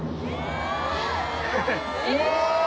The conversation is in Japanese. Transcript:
うわ！